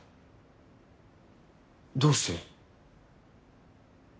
どうして？